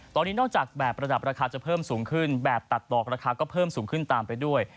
ตอนนี้นอกจากแบบระดับราคาจะเพิ่มสูงขึ้นแบบตัดดอกราคาก็เพิ่มสูงขึ้นตามไปด้วย